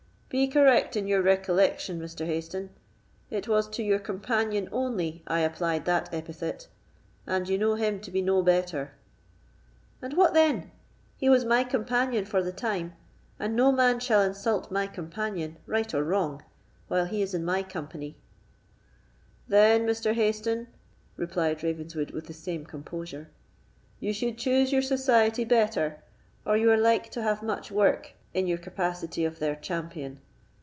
"Be correct in your recollection, Mr. Hayston; it was to your companion only I applied that epithet, and you know him to be no better." "And what then? He was my companion for the time, and no man shall insult my companion, right or wrong, while he is in my company." "Then, Mr. Hayston," replied Ravenswood, with the same composure, "you should choose your society better, or you are like to have much work in your capacity of their champion.